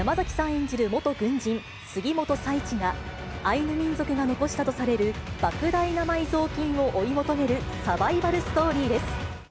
演じる元軍人、杉元佐一が、アイヌ民族が残したとされる、ばく大な埋蔵金を追い求めるサバイバルストーリーです。